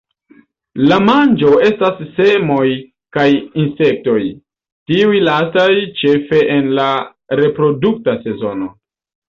La manĝo estas semoj kaj insektoj, tiuj lastaj ĉefe en la reprodukta sezono.